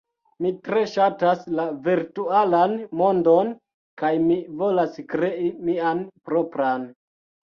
Mi tre ŝatas la virtualan mondon, kaj mi volas krei mian propran.